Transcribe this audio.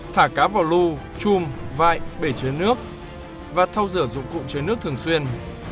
thả cá vào lưu chùm vại bể chứa nước và thâu rửa dụng cụ chứa nước thường xuyên